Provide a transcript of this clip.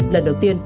lần đầu tiên